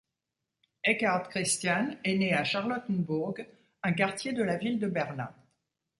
Eckhard Christian est né à Charlottenburg, un quartier de la ville de Berlin.